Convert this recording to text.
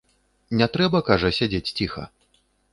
Не, трэба, кажа, сядзець ціха.